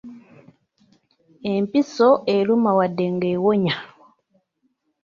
Empiso eruma wadde nga ewonya.